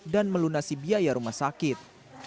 dan melunasi biaya rumah sakit